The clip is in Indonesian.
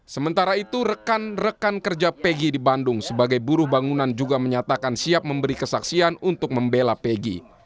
sementara itu rekan rekan kerja pegg di bandung sebagai buruh bangunan juga menyatakan siap memberi kesaksian untuk membela pegi